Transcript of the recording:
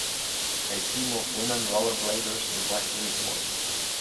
A team of women rollerbladers in black uniforms.